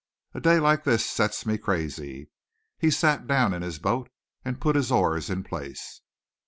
A day like this sets me crazy." He sat down in his boat and put his oars in place.